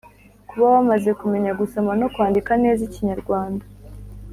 kuba bamaze kumenya gusoma no kwandika neza ikinyarwanda.